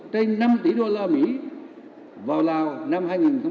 trên năm tỷ đô la mỹ vào lào năm hai nghìn một mươi chín